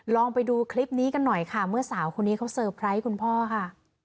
ลองไปดูคลิปนี้กันหน่อยค่ะเมื่อสาวคนนี้เขาเซอร์ไพรส์คุณพ่อค่ะ